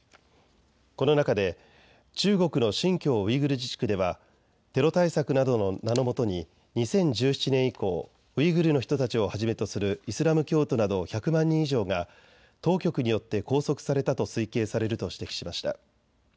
この中で中国の新疆ウイグル自治区ではテロ対策などの名のもとに２０１７年以降、ウイグルの人たちをはじめとするイスラム教徒など１００万人以上が当局によって拘束されたと推計されると指摘しました。